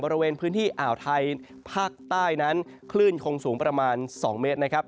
บริเวณพื้นที่อ่าวไทยภาคใต้นั้นคลื่นคงสูงประมาณ๒เมตรนะครับ